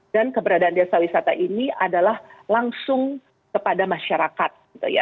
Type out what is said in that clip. dan keberadaan desa wisata ini adalah langsung kepada masyarakat